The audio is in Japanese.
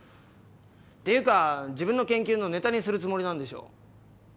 っていうか自分の研究のネタにするつもりなんでしょ？